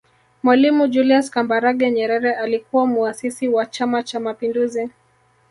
Mwalimu Julius Kambarage Nyerere alikuwa Muasisi wa Chama Cha Mapinduzi